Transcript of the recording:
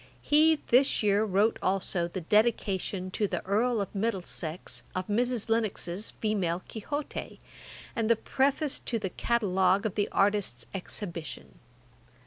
] He this year wrote also the Dedication[Dagger] to the Earl of Middlesex of Mrs Lennox's Female Quixote, and the Preface to the Catalogue of the Artists' Exhibition.